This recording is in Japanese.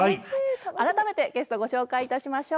改めてゲストご紹介いたしましょう。